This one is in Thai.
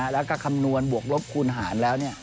แล้วก็คำนวณบวกลบคูณหารแล้ว